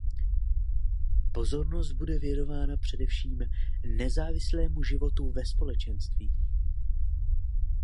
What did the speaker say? Pozornost bude věnována především nezávislému životu ve společenství.